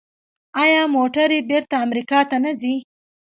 آیا موټرې بیرته امریکا ته نه ځي؟